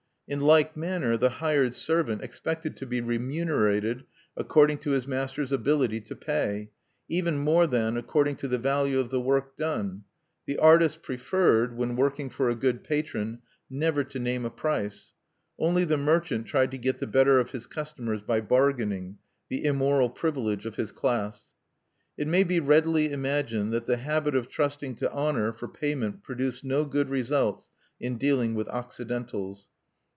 In like manner the hired servant expected to be remunerated according to his master's ability to pay, even more than according to the value of the work done; the artist preferred, when working for a good patron, never to name a price: only the merchant tried to get the better of his customers by bargaining, the immoral privilege of his class. It may be readily imagined that the habit of trusting to honor for payment produced no good results in dealing with Occidentals.